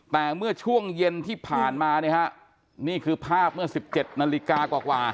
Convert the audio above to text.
แต่เมื่อช่วงเย็นที่ผ่านมาเนี่ยฮะนี่คือภาพเมื่อ๑๗นาฬิกากว่า